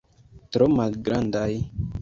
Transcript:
Tro malgrandaj.